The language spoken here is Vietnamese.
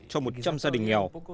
cho một trăm linh gia đình nghèo